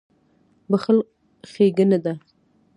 • بښل ښېګڼه ده.